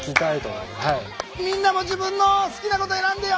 みんなも自分の好きなこと選んでよ！